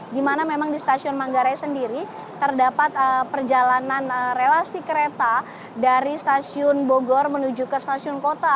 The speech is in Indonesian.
di mana memang di stasiun manggarai sendiri terdapat perjalanan relasi kereta dari stasiun bogor menuju ke stasiun kota